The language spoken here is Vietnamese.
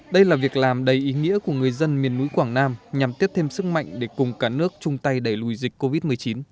đây là việc làm đầy ý nghĩa của người dân miền núi quảng nam nhằm tiếp thêm sức mạnh để cùng cả nước chung tay đẩy lùi dịch covid một mươi chín